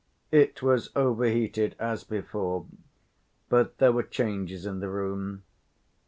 It was over‐heated as before, but there were changes in the room.